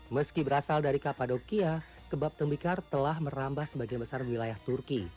meski berasal dari kapadokia kebab tembikar telah merambah sebagian besar wilayah turki